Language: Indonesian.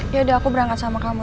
yaudah aku berangkat sama kamu